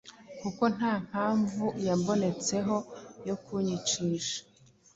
kuko nta mpamvu yambonetseho yo kunyicisha